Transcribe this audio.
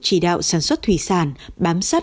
chỉ đạo sản xuất thủy sản bám sát